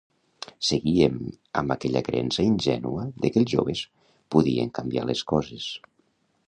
Seguíem amb aquella creença ingènua de que els joves podien canviar les coses.